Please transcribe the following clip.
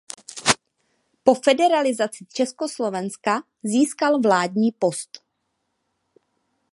Po federalizaci Československa získal vládní post.